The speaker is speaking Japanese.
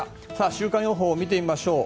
週間予報を見てみましょう。